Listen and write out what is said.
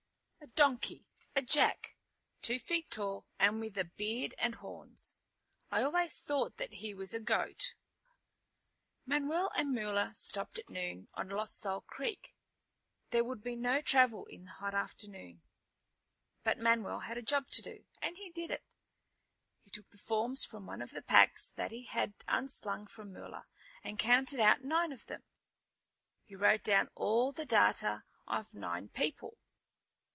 "A donkey! A jack! Two feet tall and with a beard and horns. I always thought that he was a goat." Manuel and Mula stopped at noon on Lost Soul Creek. There would be no travel in the hot afternoon. But Manuel had a job to do, and he did it. He took the forms from one of the packs that he had unslung from Mula, and counted out nine of them. He wrote down all the data on nine people.